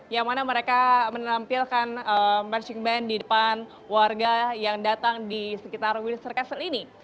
yang mana mereka menampilkan marching band di depan warga yang datang di sekitar windsor castle ini